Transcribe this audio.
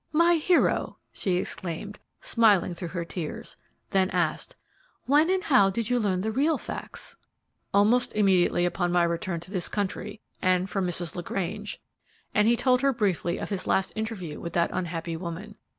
"My hero!" she exclaimed, smiling through her tears; then asked, "When and how did you learn the real facts?" "Almost immediately upon my return to this country, and from Mrs. LaGrange," and he told her briefly of his last interview with that unhappy woman.